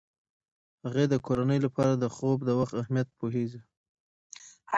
هغې د کورنۍ لپاره د خوب د وخت اهمیت پوهیږي.